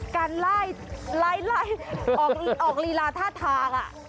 การไล่ออกลีลาท่าทาง